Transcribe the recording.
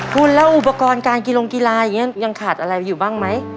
คุณแล้วอุปกรณ์การกิโรงกีฬาอย่างนี้ยังขาดอะไรอยู่บ้างไหม